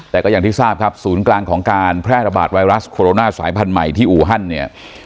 แต่ก็อย่างที่ทราบครับศูนย์กลางของการแพร่ระบาดไวรัสโคโรนาสายพันธุ์ใหม่ที่อูฮันเนี่ย